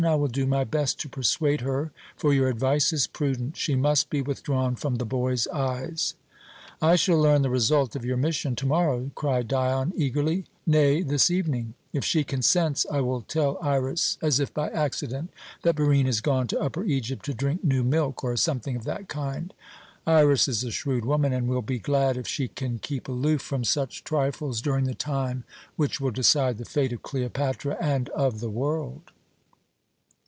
I will do my best to persuade her, for your advice is prudent. She must be withdrawn from the boy's eyes." "I shall learn the result of your mission tomorrow," cried Dion eagerly "nay, this evening. If she consents, I will tell Iras, as if by accident, that Barine has gone to Upper Egypt to drink new milk, or something of that kind. Iras is a shrewd woman, and will be glad if she can keep aloof from such trifles during the time which will decide the fate of Cleopatra and of the world."